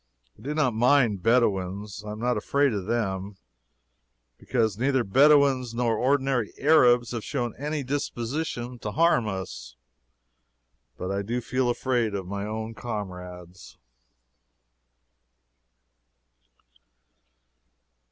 I do not mind Bedouins, I am not afraid of them; because neither Bedouins nor ordinary Arabs have shown any disposition to harm us, but I do feel afraid of my own comrades.